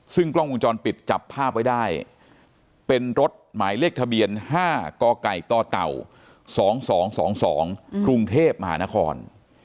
ซึ่งกล้องวงจรปิดจับภาพไว้ได้เป็นรถหมายเลขทะเบียน๕กไก่ต่อเต่า๒๒๒๒กรุงเทพมหานคร